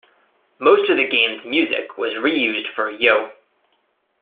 Most of the game's music was re-used for Yo!